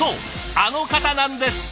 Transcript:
あの方なんです。